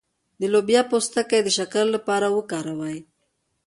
د لوبیا پوستکی د شکر لپاره وکاروئ